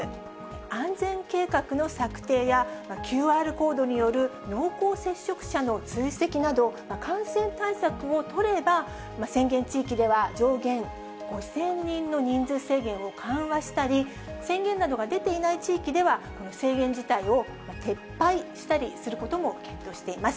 安全計画の策定や、ＱＲコードによる濃厚接触者の追跡など、感染対策を取れば、宣言地域では上限５０００人の人数制限を緩和したり、宣言などが出ていない地域では、この制限自体を撤廃したりすることも検討しています。